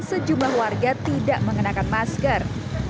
sejumlah warga tidak mengenakan masker